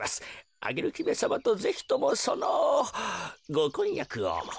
アゲルひめさまとぜひともそのごこんやくを。